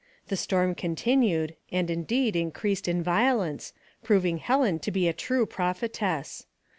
The storm continued, and indeed increased in violence, proving Helen to be a true prophetess.